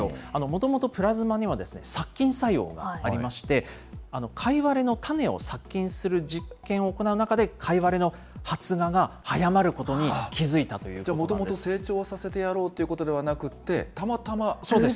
もともとプラズマには殺菌作用がありまして、カイワレの種を殺菌する実験を行う中で、カイワレの発芽が早まることに気付いたといじゃあもともと成長させてやろうということではなくて、たまたま。